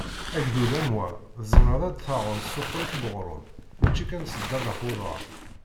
Agdud am wa tzemreḍ ad d-taɣeḍ s uḥerrif n weɣrum, mačči kan s ddabex uḍar.